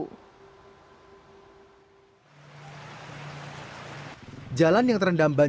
jalan yang terjadi di kabupaten kediri jebol dan merendam puluhan rumah warga desa ngabla kecamatan banyakan